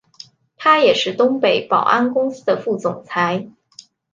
他也是东北保安公司的副总裁。